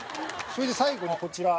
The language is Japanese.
それで最後のこちら。